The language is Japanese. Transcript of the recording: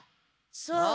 そう！